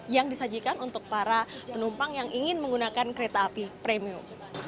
yang disajikan untuk para penumpang yang ingin menggunakan kereta api premium